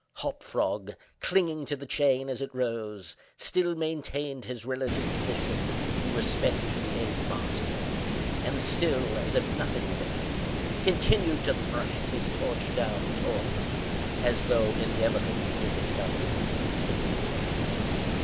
Hop Frog, clinging to the chain as it rose, still maintained his relative position in respect to the eight maskers, and still (as if nothing were the matter) continued to thrust his torch down toward them, as though endeavoring to discover who they were.